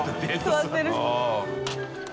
座ってる。